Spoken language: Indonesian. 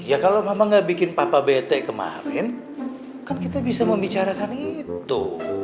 ya kalau memang nggak bikin papa bete kemarin kan kita bisa membicarakan itu